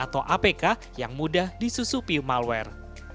atau apk yang mudah disusupi malware